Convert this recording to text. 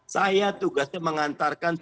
saya tugasnya mengantarkan